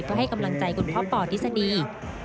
เพื่อให้กำลังใจคุณพ่อป่อทฤษฎี